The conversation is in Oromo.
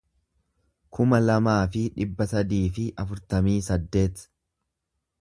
kuma lamaa fi dhibba sadii fi afurtamii saddeet